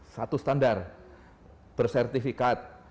satu standar bersertifikat